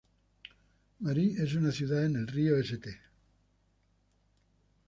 Marie es una ciudad en el río St.